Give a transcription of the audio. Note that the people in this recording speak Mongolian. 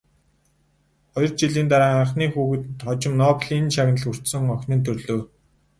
Хоёр жилийн дараа анхны хүүхэд, хожим Нобелийн шагнал хүртсэн охин нь төрлөө.